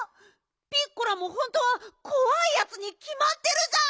ピッコラもほんとはこわいやつにきまってるじゃん！